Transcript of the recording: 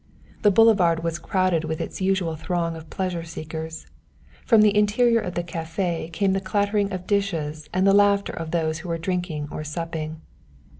The boulevard was crowded with its usual throng of pleasure seekers. From the interior of the café came the clattering of dishes and the laughter of those who were drinking or supping.